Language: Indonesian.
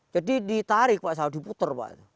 jadi ditarik pak saya diputer pak